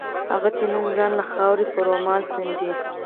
هغه چې نن ځان له خاورو په رومال څنډي.